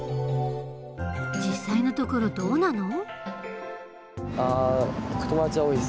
実際のところどうなの？